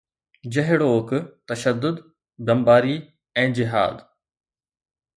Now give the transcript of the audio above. جهڙوڪ تشدد، بمباري ۽ جهاد.